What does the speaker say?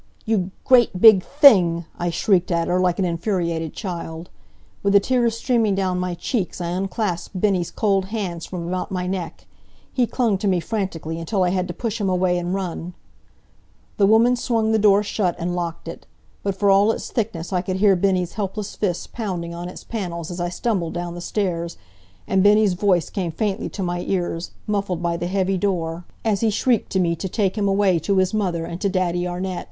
"You great big thing!" I shrieked at her, like an infuriated child. With the tears streaming down my cheeks I unclasped Bennie's cold hands from about my neck. He clung to me, frantically, until I had to push him away and run. The woman swung the door shut, and locked it. But for all its thickness I could hear Bennie's helpless fists pounding on its panels as I stumbled down the stairs, and Bennie's voice came faintly to my ears, muffled by the heavy door, as he shrieked to me to take him away to his mother, and to Daddy Arnett.